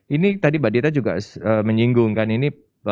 ini tadi mbak dita juga menyinggungkan ini